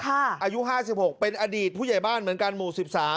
อายุ๕๖เป็นอดีตผู้ใหญ่บ้านเหมือนกันหมู่๑๓